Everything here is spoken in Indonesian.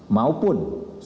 maupun sebagai perusahaan